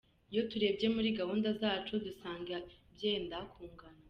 Iyo turebye muri gahunda zacu dusanga byenda kungana.